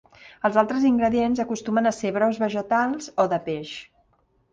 Els altres ingredients acostumen a ser brous vegetals o de peix.